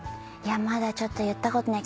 まだちょっと言ったことない。